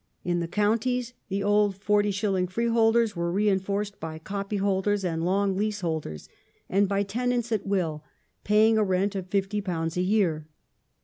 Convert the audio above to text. ^ In the counties the old 40s. freeholders were reinforced by copy holders and long leaseholders, and by tenants at will paying a rent of £50 a year.